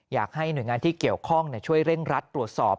อยากให้หน่วยงานที่เกี่ยวข้องช่วยเร่งรัดตรวจสอบ